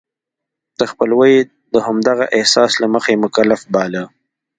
د خپلوی د همدغه احساس له مخې مکلف باله.